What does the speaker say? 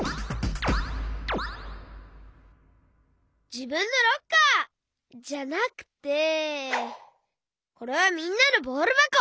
じぶんのロッカー！じゃなくてこれはみんなのボールばこ！